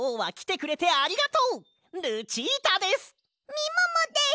みももです！